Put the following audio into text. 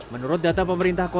menurut data pemerintah kondisi